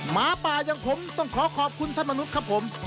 หมาป่าอย่างผมต้องขอขอบคุณท่านมนุษย์ครับผม